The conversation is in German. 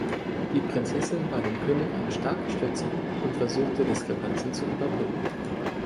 Die Prinzessin war dem König eine starke Stütze und versuchte Diskrepanzen zu überbrücken.